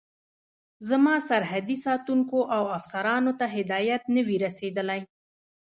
زما سرحدي ساتونکو او افسرانو ته هدایت نه وي رسېدلی.